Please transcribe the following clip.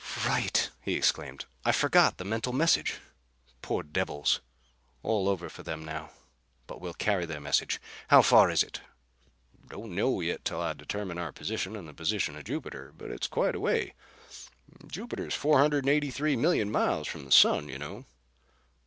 "Right!" he exclaimed. "I forgot the mental message. Poor devils! All over for them now. But we'll carry their message. How far is it?" "Don't know yet till I determine our position and the position of Jupiter. But it's quite a way. Jupiter's 483 million miles from the Sun, you know."